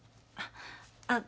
あっ。